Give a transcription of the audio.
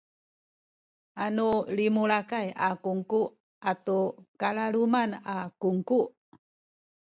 anu limulakay a kungku atu kalaluman a kungku